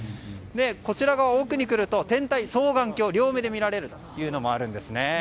こちら側、奥に来ると天体双眼鏡両目で見られるというのもあるんですね。